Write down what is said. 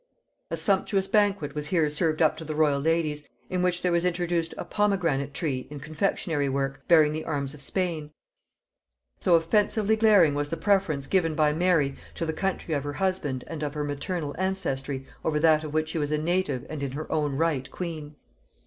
A sumptuous banquet was here served up to the royal ladies, in which there was introduced a pomegranate tree in confectionary work, bearing the arms of Spain: so offensively glaring was the preference given by Mary to the country of her husband and of her maternal ancestry over that of which she was a native and in her own right queen!